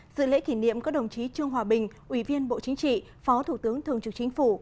dự lễ kỷ niệm có đồng chí trương hòa bình ủy viên bộ chính trị phó thủ tướng thường trực chính phủ